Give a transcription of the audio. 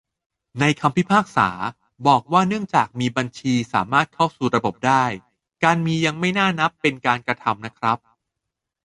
ในคำพิพากษา บอกว่าเนื่องจากมีบัญชีสามารถเข้าสู่ระบบได้ - การ'มี' ยังไม่น่านับเป็นการกระทำนะครับ